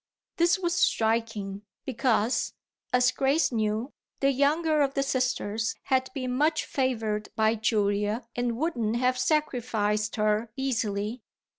This was striking, because, as Grace knew, the younger of the sisters had been much favoured by Julia and wouldn't have sacrificed her easily.